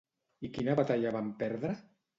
I quina batalla van perdre?